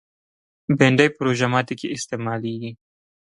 بېنډۍ په روژه ماتي کې استعمالېږي